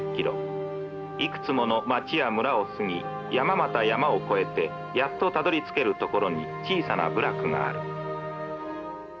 いくつもの町や村を過ぎ山また山を越えてやっとたどりつけるところに小さな部落がある」。